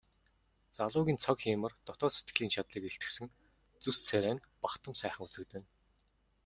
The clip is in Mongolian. Залуугийн цог хийморь дотоод сэтгэлийн чадлыг илтгэсэн зүс царай нь бахдам сайхан үзэгдэнэ.